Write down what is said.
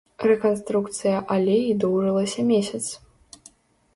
Рэканструкцыя алеі доўжылася месяц.